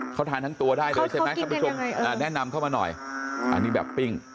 เขาทานทั้งตัวได้แนะนำเขามาหน่อยอันนี้แบบเป้ง